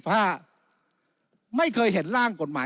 วุฒิสภาจะเขียนไว้ในข้อที่๓๐